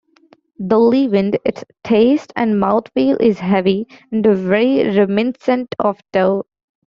Though leavened, its taste and mouth-feel is heavy and very reminiscent of dough.